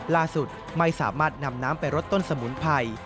ล่าสุดไม่สามารถนำน้ำไปรดต้นสมุนไพร